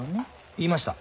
言いました。